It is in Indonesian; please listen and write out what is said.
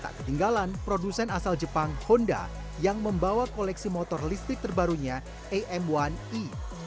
tak ketinggalan produsen asal jepang honda yang membawa koleksi motor listrik terbarunya am satu e